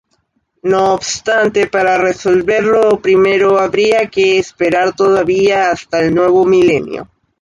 No obstante, para resolver lo primero habría que esperar todavía hasta el nuevo milenio.